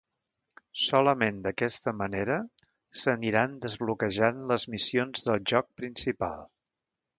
Solament d'aquesta manera, s'aniran desbloquejant les missions del joc principal.